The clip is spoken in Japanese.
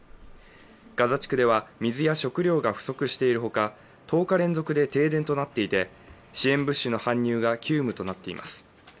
ガザ地区では水や食料が不足しているほか、１０日連続で停電となっていて支援物資の搬入が急務となっています。